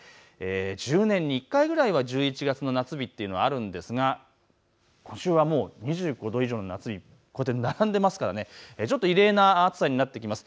１０年に１回くらいは１１月の夏日というのはあるんですが、今週は２５度以上の夏日、並んでいますからちょっと異例の暑さになってきます。